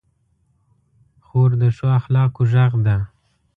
خور د ښو اخلاقو غږ ده.